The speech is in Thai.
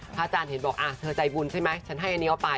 อาจารย์เห็นบอกเธอใจบุญใช่ไหมฉันให้อันนี้เอาไป